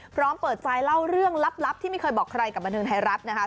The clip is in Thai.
พร้อมเปิดใจเล่าเรื่องลับที่ไม่เคยบอกใครกับบันเทิงไทยรัฐนะคะ